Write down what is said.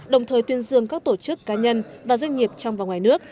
đồng thời tuyên dương các tổ chức cá nhân và doanh nghiệp trong và ngoài nước